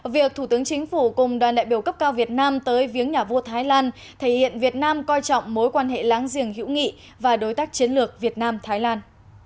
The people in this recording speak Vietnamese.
việc thủ tướng chính phủ cùng đoàn đại biểu cấp cao việt nam tới viếng nhà vua thái lan thể hiện việt nam coi trọng mối quan hệ láng giềng hữu nghị và đối tác chiến lược việt nam thái lan